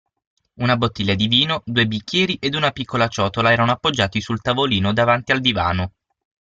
Una bottiglia di vino, due bicchieri ed una piccola ciotola erano appoggiati sul tavolino davanti al divano.